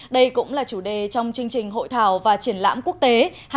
đây cũng là chủ đề trong chương trình hội thảo và triển lãm quốc tế hai nghìn hai mươi